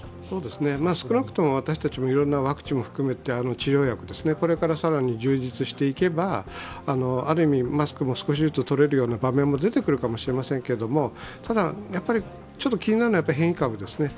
少なくとも私たちも、いろいろなワクチンも含めて治療薬、これから更に充実していけば、ある意味、マスクも少しずつとれるような場面も出てくるかもしれませんけれども、ただ、ちょっと気になるのは変異株ですね。